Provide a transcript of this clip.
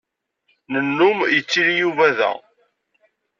Nennum yettili Yuba da.